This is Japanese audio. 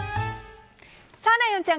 さあ、ライオンちゃん